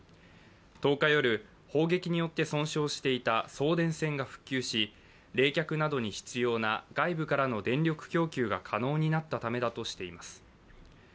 １０日夜、砲撃によって損傷していた送電線が復旧し冷却などに必要な外部からの電力供給が可能になったためだとしています。